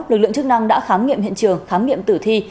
lực lượng chức năng đã khám nghiệm hiện trường khám nghiệm tử thi